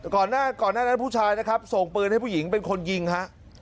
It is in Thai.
ก่อนหน้าก่อนหน้านั้นผู้ชายนะครับส่งปืนให้ผู้หญิงเป็นคนยิงฮะ